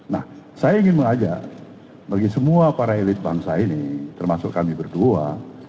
nah saya ingin mengajak bagi semua para elit bangsa ini termasuk kami berdua